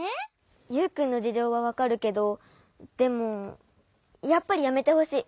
ユウくんのじじょうはわかるけどでもやっぱりやめてほしい。